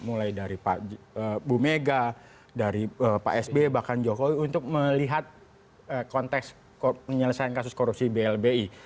mulai dari bu mega dari pak sb bahkan jokowi untuk melihat konteks penyelesaian kasus korupsi blbi